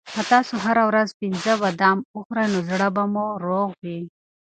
که تاسو هره ورځ پنځه بادام وخورئ نو زړه به مو روغ وي.